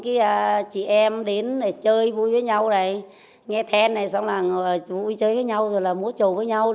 bà đến để chơi vui với nhau nghe then vui chơi với nhau múa trầu với nhau